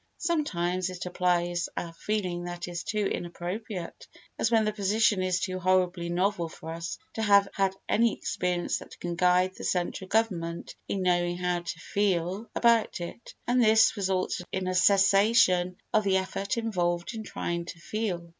Sometimes it applies a feeling that is too inappropriate, as when the position is too horribly novel for us to have had any experience that can guide the central government in knowing how to feel about it, and this results in a cessation of the effort involved in trying to feel.